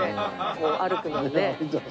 こう歩くのでね。